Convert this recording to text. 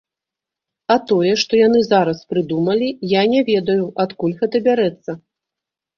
А тое, што яны зараз прыдумалі, я не ведаю, адкуль гэта бярэцца.